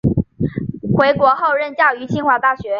回国后任教于清华大学。